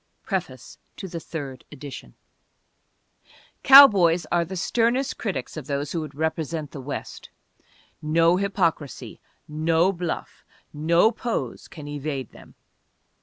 _ PREFACE TO THE THIRD EDITION Cowboys are the sternest critics of those who would represent the West. No hypocrisy, no bluff, no pose can evade them.